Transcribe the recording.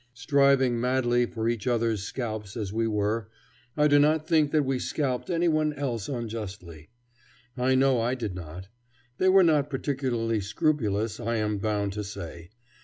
Striving madly for each other's scalps as we were, I do not think that we scalped any one else unjustly. I know I did not. They were not particularly scrupulous, I am bound to say.